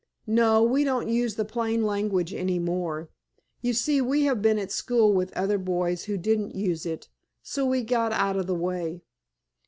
"No, we don't use the plain language any more. You see we have been at school with other boys who didn't use it, so we got out of the way.